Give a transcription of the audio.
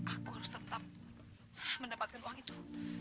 aku harus tetap mendapatkan uang itu